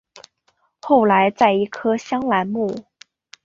后来在一棵香兰木。